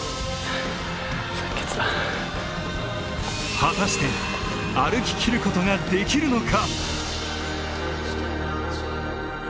果たして歩ききる事ができるのか。